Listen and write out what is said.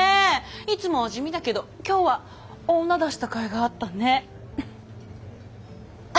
いつもは地味だけど今日は女出したかいがあったね！